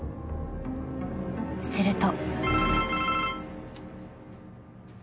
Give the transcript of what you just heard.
［すると］